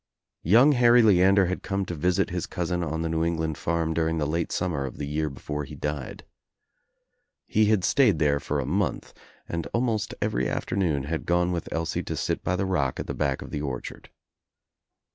Young Harry Leander had come to visit his cousin on the New England farm during the late summer of the year before he died. He had stayed there for a month and almost every afternoon had gone with Elsie to sit by the roclc at the back, of the orchard.